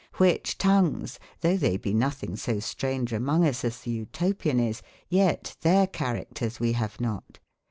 Cdbicb tongues, tbougb tbey beno tbing so straunge among us as tbe Clto/ pian is, yet tbeir cbaracters we bave not.